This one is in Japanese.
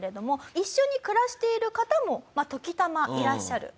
一緒に暮らしている方も時たまいらっしゃる。